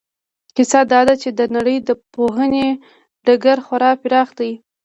کیسه دا ده چې د نړۍ د پوهنې ډګر خورا پراخ دی.